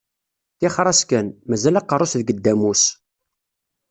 Ṭixer-as kan, mazal aqerru-s deg ddamus.